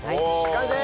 完成！